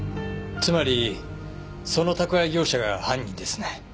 つまりその宅配業者が犯人ですね。